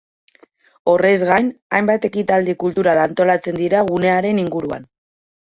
Horrez gain, hainbat ekitaldi kultural antolatzen dira gunearen inguruan.